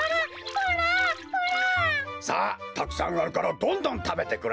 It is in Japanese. さあたくさんあるからどんどんたべてくれ。